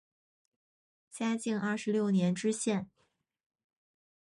嘉靖二十六年知县。